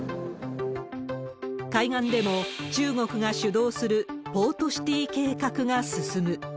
海岸でも、中国が主導するポートシティ計画が進む。